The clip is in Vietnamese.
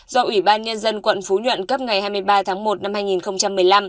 do ủy ban nhân dân quận phú nhuận cấp ngày hai mươi ba tháng một năm hai nghìn một mươi năm